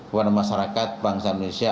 kepada masyarakat bangsa indonesia